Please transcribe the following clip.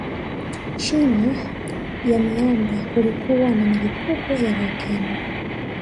China ya miamba kulikuwa na milipuko ya volkano